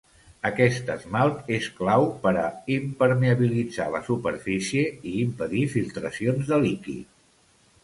Aquest esmalt és clau per a impermeabilitzar la superfície i impedir filtracions de líquid.